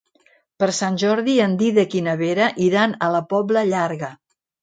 Per Sant Jordi en Dídac i na Vera iran a la Pobla Llarga.